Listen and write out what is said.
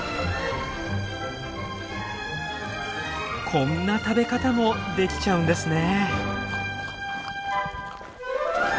こんな食べ方もできちゃうんですね。